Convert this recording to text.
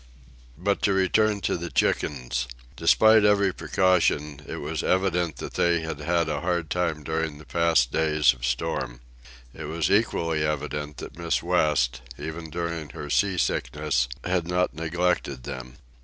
But to return to the chickens. Despite every precaution, it was evident that they had had a hard time during the past days of storm. It was equally evident that Miss West, even during her sea sickness, had not neglected them.